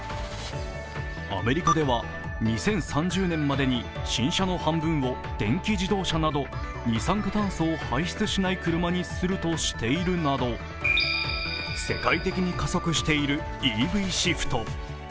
アメリカでは、２０３０年までに新車の半分を電気自動車など二酸化炭素を排出しない車にするとしているなど世界的に加速しているＥＶシフト。